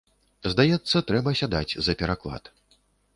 Здаецца, трэба сядаць за пераклад.